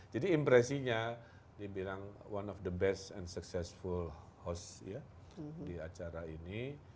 jadi impresinya dia bilang one of the best and successful host ya di acara ini